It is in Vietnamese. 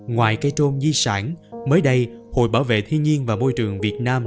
ngoài cây trôn di sản mới đây hội bảo vệ thiên nhiên và môi trường việt nam